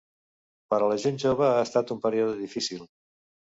Per a la gent jove ha estat un període difícil.